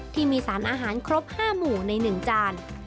ที่มีสารอาหารครบ๕หมู่ใน๑จาน